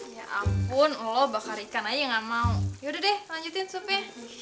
ya ampun lo bakar ikan aja gak mau yaudah deh lanjutin sup ya